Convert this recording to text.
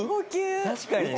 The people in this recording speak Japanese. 確かにね。